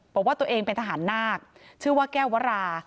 บอกว่าตัวเองเป็นทหารนาคชื่อว่าแก้ววรา